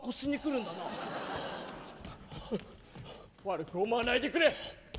悪く思わないでくれ！